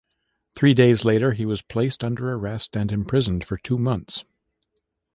Three days later he was placed under arrest and imprisoned for two months.